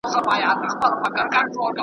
کاشکې نن خو د مور تر څنګ وای